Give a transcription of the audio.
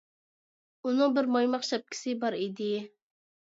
ئۇنىڭ بىر مايماق شەپكىسى بار ئىدى.